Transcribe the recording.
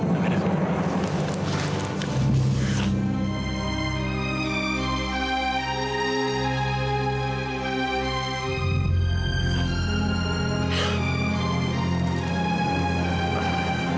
nah ini aku kabar